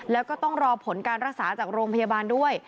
แล้วก็ต้องรอผลการรักษาจากโรงพยาบาลด้วย